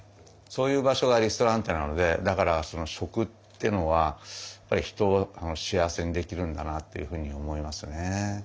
そういう場所がリストランテなのでだからその食っていうのはやっぱり人を幸せにできるんだなっていうふうに思いますね。